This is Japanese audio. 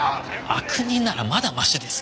悪人ならまだマシです。